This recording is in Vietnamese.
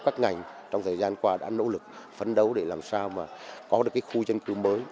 các ngành trong thời gian qua đã nỗ lực phấn đấu để làm sao mà có được khu dân cư mới